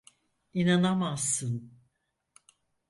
İnanamazsın.